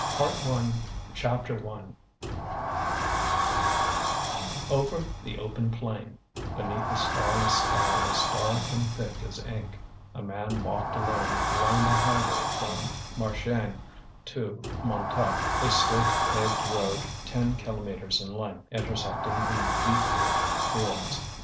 PART ONE CHAPTER I Over the open plain, beneath a starless sky as dark and thick as ink, a man walked alone along the highway from Marchiennes to Montsou, a straight paved road ten kilometres in length, intersecting the beetroot fields.